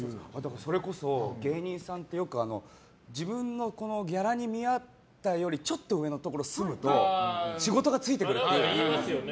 それこそ芸人さんって、よく自分のギャラに見合ったよりちょっと上のところに住むと、仕事がついてくるって言うじゃないですか。